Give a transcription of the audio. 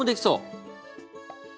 そう。